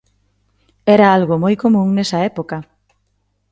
Era algo moi común nesa época.